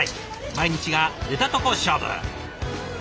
毎日が出たとこ勝負。